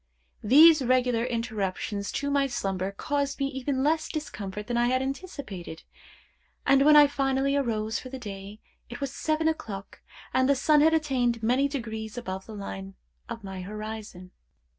These regular interruptions to my slumber caused me even less discomfort than I had anticipated; and when I finally arose for the day, it was seven o'clock, and the sun had attained many degrees above the line of my horizon.